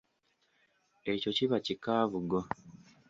Ekyo kiba kikaabugo.